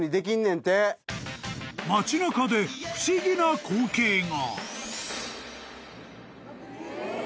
［街中で不思議な光景が］